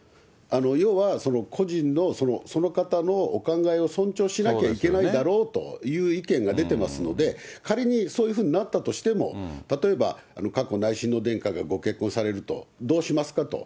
要は、個人の、その方のお考えを尊重しなきゃいけないだろうという意見が出てますので、仮にそういうふうになったとしても、例えば佳子内親王殿下がご結婚されると、どうしますか？と。